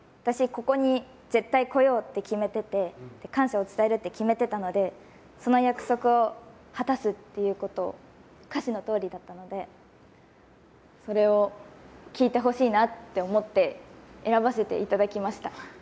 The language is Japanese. ここに絶対来ようって決めてて感謝を伝えてたのでその約束を果たすっていうことを歌詞の通りだったのでそれを聴いてほしいなと思って選ばせていただきました。